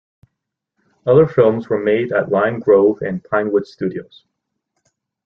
Other films were made at Lime Grove and Pinewood Studios.